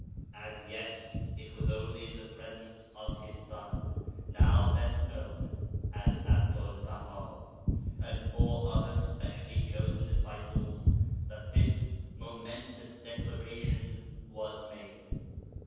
As yet it was only in the presence of his son (now best known as Abdul Baha) and four other specially chosen disciples that this momentous declaration was made.